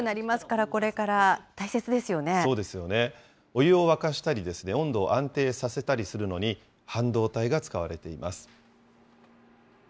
お湯を沸かしたり、温度を安定させたりするのに、半導体が使われています。